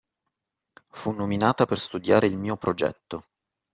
Fu nominata per studiare il mio progetto